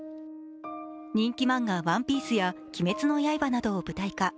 人気漫画「ＯＮＥＰＩＥＣＥ」や「鬼滅の刃」などを舞台化。